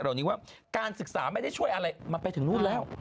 เหล่านี้ว่าการศึกษาไม่ได้ช่วยอะไรมันไปถึงนู่นแล้ว